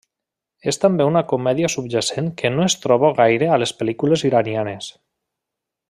És també una comèdia subjacent que no es troba gaire a les pel·lícules iranianes.